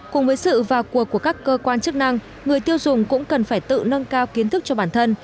cùng với sự vào cuộc của các cơ quan chức năng người tiêu dùng cũng cần phải tự nâng cao kiến thức cho bản thân